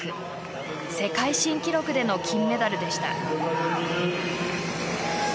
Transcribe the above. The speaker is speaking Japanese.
世界新記録での金メダルでした。